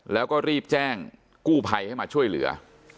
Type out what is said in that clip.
แล้วก็รีบแจ้งกู้ภัยให้มาช่วยเหลือ